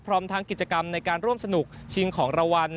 พร้อมทั้งกิจกรรมในการร่วมสนุกชิงของรางวัล